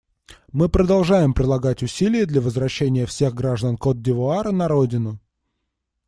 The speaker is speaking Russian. Мы продолжаем прилагать усилия для возвращения всех граждан Котд'Ивуара на родину.